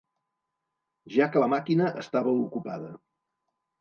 Ja que la màquina estava ocupada.